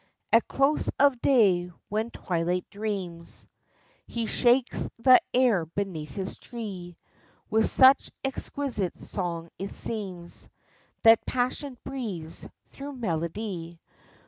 At close of day when Twilight dreams He shakes the air beneath his tree With such exquisite song it seems That Passion breathes through Melody.